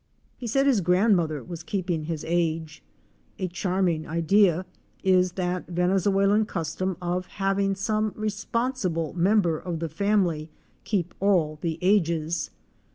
He said his grandmother was " keeping his age."" A charming idea is that Venezuelan custom of having some responsible member of the family keep all the ages.